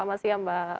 selamat siang mbak